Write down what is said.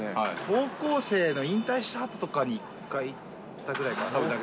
高校生の引退したあととかに１回行ったぐらいかな。